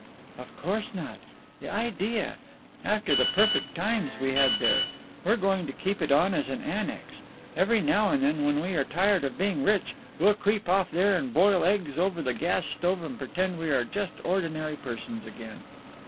"Of course not. The idea! After the perfect times we had there! We're going to keep it on as an annex. Every now and then, when we are tired of being rich, we'll creep off there and boil eggs over the gas stove and pretend we are just ordinary persons again."